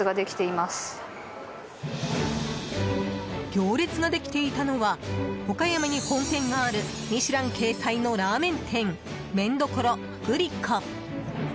行列ができていたのは岡山に本店があるミシュラン掲載のラーメン店麺処ぐり虎。